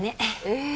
ええ。